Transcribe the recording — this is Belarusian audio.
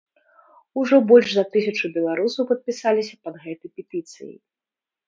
Ужо больш за тысячу беларусаў падпісаліся пад гэтай петыцыяй.